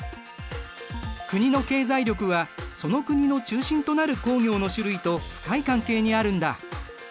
国の経済力はその国の中心となる工業の種類と深い関係にあるんだ。